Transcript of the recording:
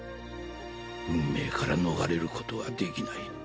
運命から逃れることはできない。